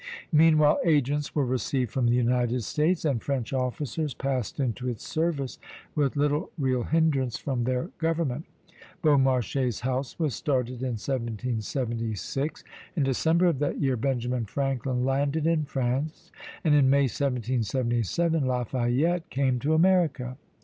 Meanwhile agents were received from the United States, and French officers passed into its service with little real hindrance from their government. Beaumarchais' house was started in 1776; in December of that year Benjamin Franklin landed in France, and in May, 1777, Lafayette came to America.